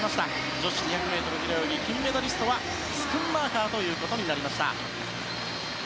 女子２００ｍ平泳ぎ金メダリストはスクンマーカーとなりました。